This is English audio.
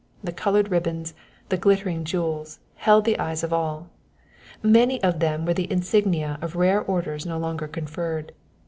The colored ribbons, the glittering jewels, held the eyes of all. Many of them were the insignia of rare orders no longer conferred.